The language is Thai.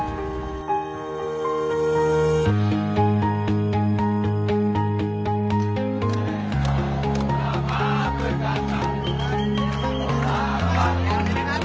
สวัสดีครับสวัสดีครับสวัสดีครับ